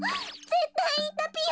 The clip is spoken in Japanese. ぜったいいたぴよ！